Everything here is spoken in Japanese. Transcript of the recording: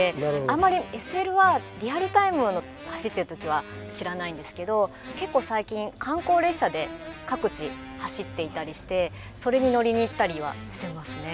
あんまりＳＬはリアルタイムの走ってる時は知らないんですけど結構最近観光列車で各地走っていたりしてそれに乗りに行ったりはしてますね。